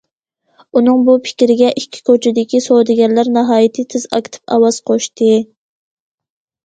ئۇنىڭ بۇ پىكرىگە ئىككى كوچىدىكى سودىگەرلەر ناھايىتى تېز ئاكتىپ ئاۋاز قوشتى.